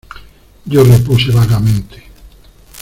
yo repuse vagamente: